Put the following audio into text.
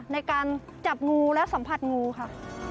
ในการจับงูและสัมผัสงูค่ะ